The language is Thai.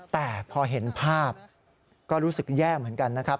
แต่พอเห็นภาพก็รู้สึกแย่เหมือนกันนะครับ